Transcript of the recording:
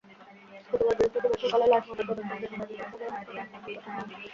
গতকাল বৃহস্পতিবার সকালে লাশ ময়নাতদন্তের জন্য গাজীপুর সদর হাসপাতাল মর্গে পাঠানো হয়।